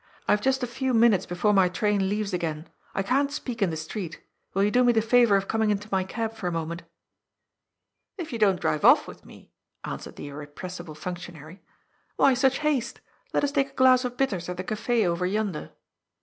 ^' I have just a few minutes before my train leaves again. I can't speak in the street Will you do me the favour of coming into my cab for a moment?" " If you don't drive off with me," answered the irre pressible functionary. *^ Why such haste ? Let us take a glass of bitters at the caf 6 over yonder."